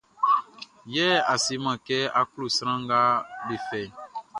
Yɛ a seman kɛ a klo sran nga be fɛʼn.